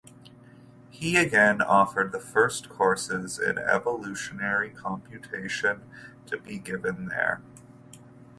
He again offered the first courses in evolutionary computation to be given there.